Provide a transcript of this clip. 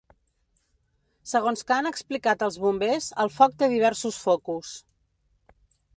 Segons que han explicat els bombers, el foc té diversos focus.